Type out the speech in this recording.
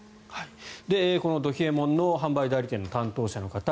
このど冷えもんの販売代理店の担当者の方